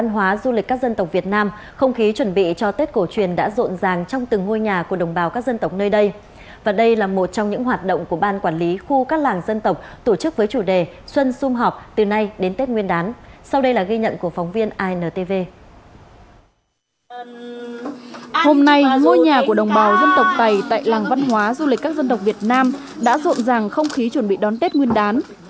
hôm nay ngôi nhà của đồng bào dân tộc tày tại làng văn hóa du lịch các dân tộc việt nam đã rộn ràng không khí chuẩn bị đón tết nguyên đán